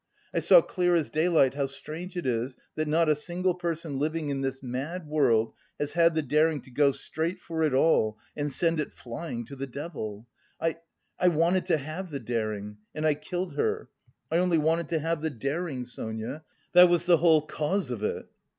I saw clear as daylight how strange it is that not a single person living in this mad world has had the daring to go straight for it all and send it flying to the devil! I... I wanted to have the daring... and I killed her. I only wanted to have the daring, Sonia! That was the whole cause of it!"